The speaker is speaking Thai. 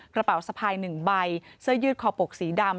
กระเป๋าสะพาย๑ใบเสื้อยืดคอปกสีดำ